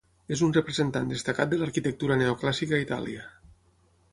És un representant destacat de l'arquitectura neoclàssica a Itàlia.